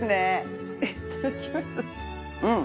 うん。